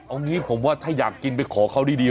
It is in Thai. เอางี้ผมว่าถ้าอยากกินไปขอเขาดี